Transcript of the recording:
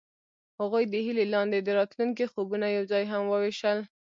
هغوی د هیلې لاندې د راتلونکي خوبونه یوځای هم وویشل.